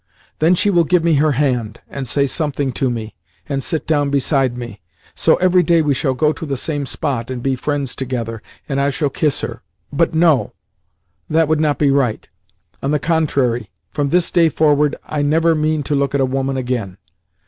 Then she will give me her hand, and say something to me, and sit down beside me. So every day we shall go to the same spot, and be friends together, and I shall kiss her. But no! That would not be right! On the contrary, from this day forward I never mean to look at a woman again.